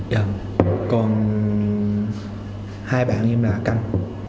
dạ còn hai bạn em là cành